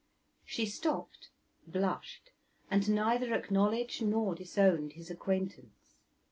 She stopped, blushed, and neither acknowledged nor disowned his acquaintance.